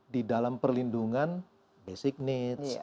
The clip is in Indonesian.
di dalam perlindungan basic needs